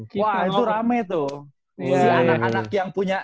si anak anak yang punya